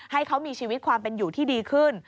ให้เขามีชีวิตความเป็นอยู่ที่ดีขึ้น